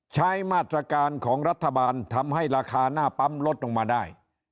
ใช้มาตรการของรัฐบาลทำให้ราคาหน้าปั๊มลดลงมาได้